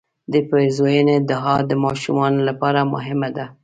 د پیرزوینې دعا د ماشومانو لپاره مهمه ده.